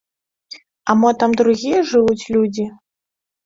А мо там другія жывуць людзі?